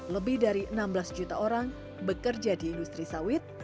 lebih dari enam belas juta orang bekerja di industri sawit